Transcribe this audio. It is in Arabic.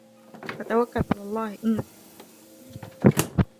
فَتَوَكَّل عَلَى اللَّهِ إِنَّكَ عَلَى الحَقِّ المُبينِ